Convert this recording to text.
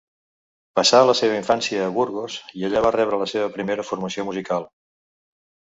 Passà la seva infància a Burgos i allà va rebre la seva primera formació musical.